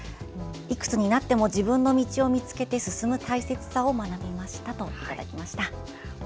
いくつになっても自分の道を見つけて進む大切さを学びましたといただきました。